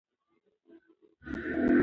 هغه موټر چې لوګي کوي باید جوړ شي.